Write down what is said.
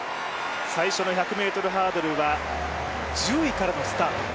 最初の１００ｍハードルは１０位からのスタート。